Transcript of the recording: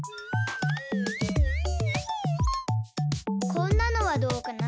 こんなのはどうかな？